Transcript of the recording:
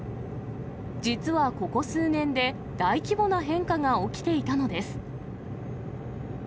実はここ数年で大規模な変化が起きていたのです。